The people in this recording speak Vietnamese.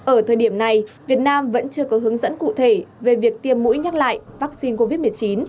ở thời điểm này việt nam vẫn chưa có hướng dẫn cụ thể về việc tiêm mũi nhắc lại vaccine covid một mươi chín